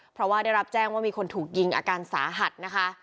เพราะว่าได้รับแจ้งว่ามีคนถูกยิงอาการสาหัสนะคะ